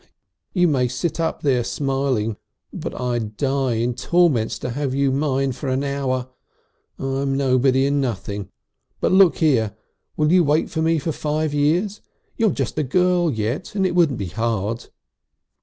You may sit up there smiling, but I'd die in torments to have you mine for an hour. I'm nobody and nothing. But look here! Will you wait for me for five years? You're just a girl yet, and it wouldn't be hard."